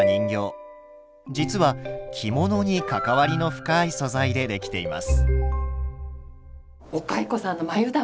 実は着物に関わりの深い素材で出来ています。